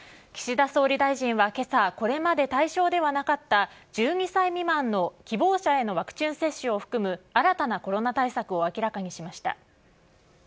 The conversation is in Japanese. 岸田総理大臣はけさ、これまで対象ではなかった１２歳未満の希望者へのワクチン接種を含む新たなコロナ対策を明らかにしました。